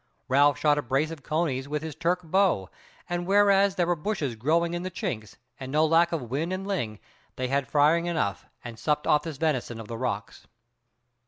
Ralph shot a brace of conies with his Turk bow, and whereas there were bushes growing in the chinks, and no lack of whin and ling, they had firing enough, and supped off this venison of the rocks.